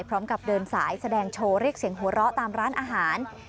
พร้อมกับเดินสายแสดงโชว์เรียกเสียงหัวเราะตามร้านอาหาร